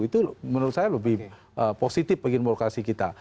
itu menurut saya lebih positif bagi demokrasi kita